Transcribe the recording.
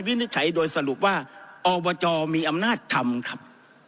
วินิจฉัยโดยสรุปว่าอบจมีอำนาจทำครับ